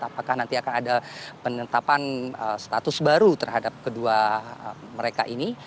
apakah nanti akan ada penetapan status baru terhadap kedua mereka ini